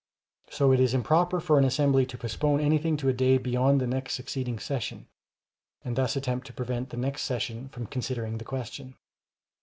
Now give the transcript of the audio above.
So it is improper for an assembly to postpone anything to a day beyond the next succeeding session, and thus attempt to prevent the next session from considering the question.